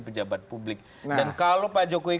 pejabat publik dan kalau pak jokowi